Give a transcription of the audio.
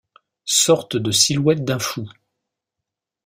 Sorte de silhouette d’un fou.